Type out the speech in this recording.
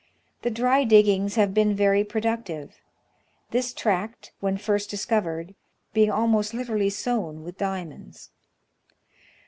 The dry diggings have been very productive ; this tract, when first discovered, being almost literally sown with diamonds.